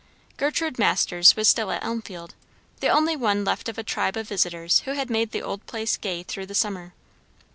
Gertrude Masters was still at Elmfield, the only one left of a tribe of visitors who had made the old place gay through the summer.